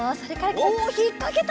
おひっかけた！